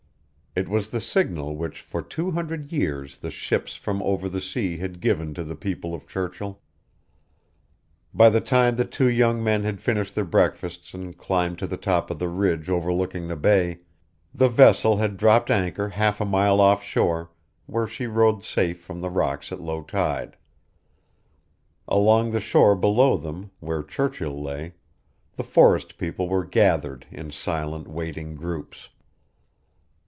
It was the signal which for two hundred years the ships from over the sea had given to the people of Churchill. By the time the two young men had finished their breakfasts and climbed to the top of the ridge overlooking the Bay, the vessel had dropped anchor half a mile off shore, where she rode safe from the rocks at low tide. Along the shore below them, where Churchill lay, the forest people were gathered in silent, waiting groups.